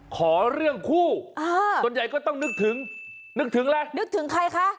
ขอเรื่องคู่อ่าส่วนใหญ่ก็ต้องนึกถึงนึกถึงอะไรนึกถึงใครคะ